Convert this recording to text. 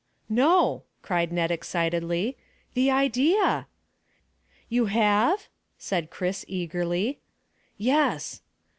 "No," cried Ned excitedly. "The idea!" "You have?" said Chris eagerly. "Yes!"